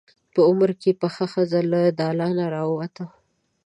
په عمر پخه ښځه له دالانه راووته.